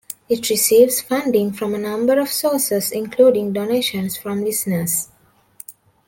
It receives funding from a number of sources, including donations from listeners.